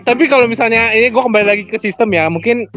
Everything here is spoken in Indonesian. tapi kalau misalnya ini gue kembali lagi ke sistem ya mungkin